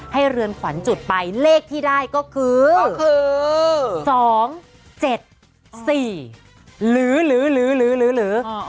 เรือนขวัญจุดไปเลขที่ได้ก็คือ๒๗๔หรือ